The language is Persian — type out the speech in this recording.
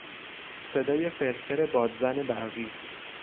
صدای فرفر بادزن برقی